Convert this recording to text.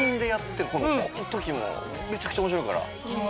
この時もめちゃくちゃ面白いから。